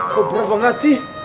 kok berat banget sih